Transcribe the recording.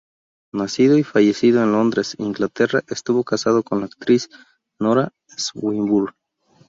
Nacido y fallecido en Londres, Inglaterra, estuvo casado con la actriz Nora Swinburne.